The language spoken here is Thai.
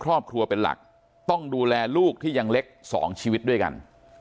ครอบครัวเป็นหลักต้องดูแลลูกที่ยังเล็ก๒ชีวิตด้วยกัน